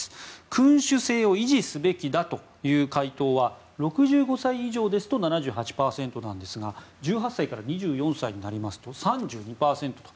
君主制を維持すべきだという回答は６５歳以上ですと７８％ですが１８歳から２４歳になりますと３２％と。